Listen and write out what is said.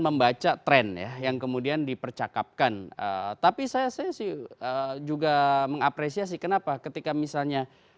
membaca tren ya yang kemudian dipercakapkan tapi saya sih juga mengapresiasi kenapa ketika misalnya